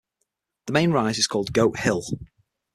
The main rise is called Goat Hill.